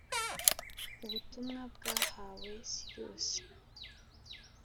ubutumwa bwahawe sirusi